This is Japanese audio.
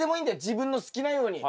自分の好きなように。